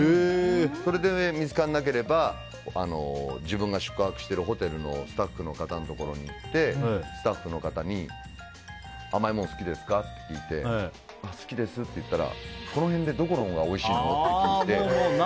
それで見つからなければ自分が宿泊してるホテルのスタッフの方のところに行ってスタッフの方に甘いもの好きですか？って聞いて好きですって言ったらこの辺でどこのがおいしいの？って聞いて。